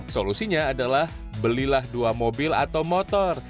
solusinya adalah belilah dua mobil atau motor